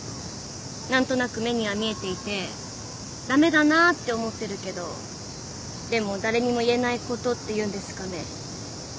何となく目には見えていて駄目だなって思ってるけどでも誰にも言えないことっていうんですかね。